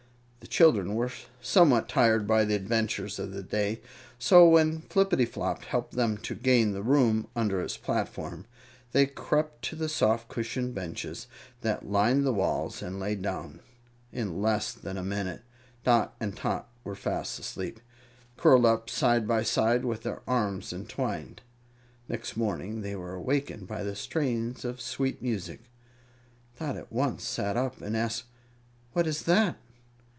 The children were somewhat tired by the adventures of the day, so when Flippityflop helped them to gain the room under his platform, they crept to the soft cushioned benches that lined the walls and lay down. In less than a minute Dot and Tot were fast asleep, curled up side by side, with their arms entwined. Next morning they were awakened by the strains of sweet music. Dot at once sat up and asked, "What is that?"